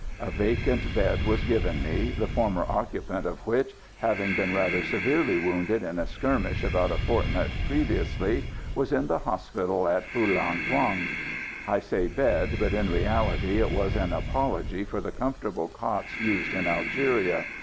A vacant bed was given me, the former occupant of which, having been rather severely wounded in a skirmish about a fortnight previously, was in the hospital at Phulang Thuong. I say bed, but in reality it was an apology for the comfortable cots used in Algeria.